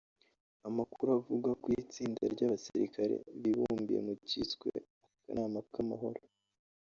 Amakuru avuga ko itsinda ry’abasirikare bibumbiye mu cyiswe ‘akanama k’amahoro’